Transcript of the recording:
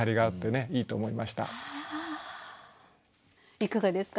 いかがですか？